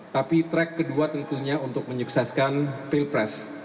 tapi track kedua tentunya untuk menyukseskan pilpres